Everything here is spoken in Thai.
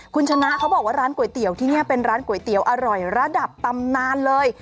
คุณชนะเขาบอกว่าร้านก๋วยเตี๋ยวที่นี่เป็นร้านก๋วยเตี๋ยวอร่อยระดับตำนานเลย